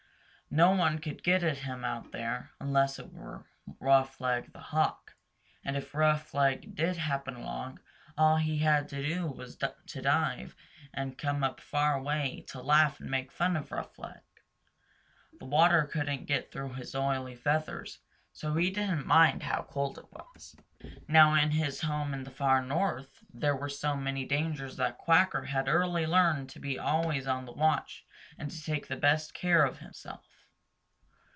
No one could get at him out there, unless it were Roughleg the Hawk, and if Roughleg did happen along, all he had to do was to dive and come up far away to laugh and make fun of Roughleg. The water couldn't get through his oily feathers, and so he didn't mind how cold it was. Now in his home in the Far North there were so many dangers that Quacker had early learned to be always on the watch and to take the best of care of himself.